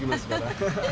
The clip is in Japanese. アハハハ。